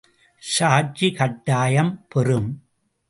சாட்சி கட்டாயம் பெறும்.